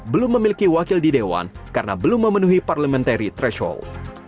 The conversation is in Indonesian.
belum memiliki wakil di dewan karena belum memenuhi parliamentary threshold